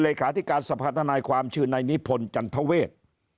เหลกาธิการสัมพันธนายค์ความชื่อนายนิพนธ์จันทเทาเวท